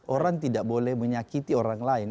orang tidak boleh menyakiti orang lain